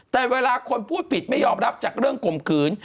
แต่เวลาคนพูดผิดไม่ยอมรับจากเรื่องข่มขืน